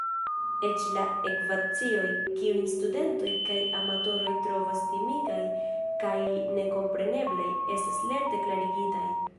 Eĉ la ekvacioj, kiujn studentoj kaj amatoroj trovas timigaj kaj nekompreneblaj, estas lerte klarigitaj.